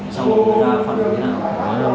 sau đó quân ra phát hình thế nào